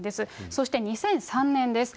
そして２００３年です。